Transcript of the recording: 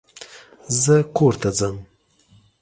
زه کورته ځم